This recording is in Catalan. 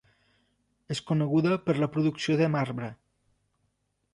És coneguda per la producció de marbre.